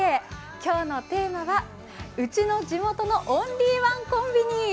今日のテーマは「ウチの地元のオンリーワンコンビニ」。